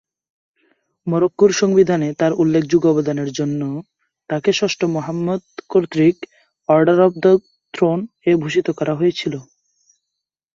Moroccan সংবিধানে তার উল্লেখযোগ্য অবদানের জন্য, তাকে ষষ্ঠ মুহাম্মদ কর্তৃক অর্ডার অফ দি থ্রোন-এ ভূষিত করা হয়েছিল।